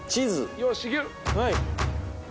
よしいける！